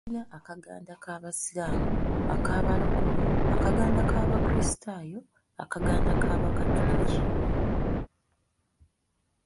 Tulina akaganda k'Abasiraamu, Akabalokole, akaganda k'Abakrisitaayo, akaganda ak'Abakatuliki.